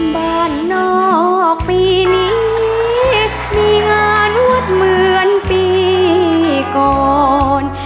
บ้านนอกปีนี้มีงานนวดเหมือนปีก่อน